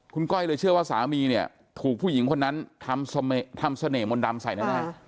คุณก้อยเลยเชื่อว่าสามีเนี่ยถูกผู้หญิงคนนั้นทำเสน่หมนตดำใส่แน่